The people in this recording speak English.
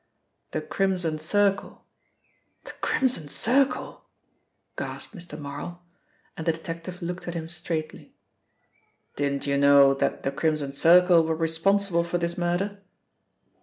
The Crimson Circle " "The Crimson Circle!" gasped Mr. Marl, and the detective looked at him straightly. "Didn't you know that the Crimson Circle were responsible for this murder?"